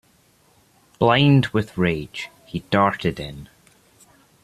Blind with rage, he darted in.